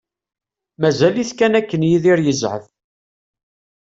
Mazal-iten kan akken Yidir yezɛef.